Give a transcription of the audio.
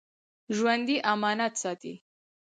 ژوندي امانت ساتي